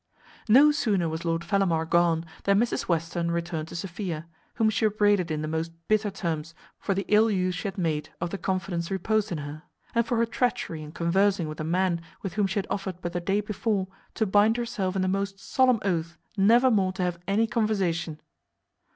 No sooner was Lord Fellamar gone than Mrs Western returned to Sophia, whom she upbraided in the most bitter terms for the ill use she had made of the confidence reposed in her; and for her treachery in conversing with a man with whom she had offered but the day before to bind herself in the most solemn oath never more to have any conversation.